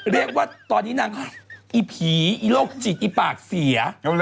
เรียกว่าตอนนี้นางก็อีผีอีโรคจิตอีปากเสีย